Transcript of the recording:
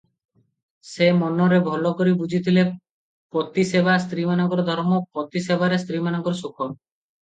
ସେ ମନରେ ଭଲକରି ବୁଝିଥିଲେ, ପତି ସେବା ସ୍ତ୍ରୀମାନଙ୍କର ଧର୍ମ, ପତି ସେବାରେ ସ୍ତ୍ରୀମାନଙ୍କର ସୁଖ ।